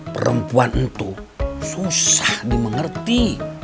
perempuan itu susah dimengerti